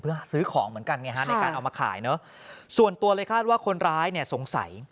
เพื่อซื้อของเหมือนกันไงฮะในการเอามาขายเนอะส่วนตัวเลยคาดว่าคนร้ายเนี่ยสงสัย